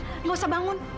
nggak usah bangun